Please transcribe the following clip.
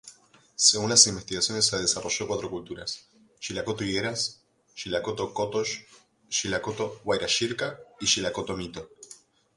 Según las investigaciones se desarrolló cuatro culturas: Shillacoto-Higueras, Shillacoto-Kótosh, Shillacoto-Wairajirka y Shillacoto-Mito.